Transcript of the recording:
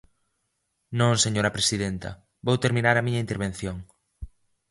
Non, señora presidenta, vou terminar a miña intervención.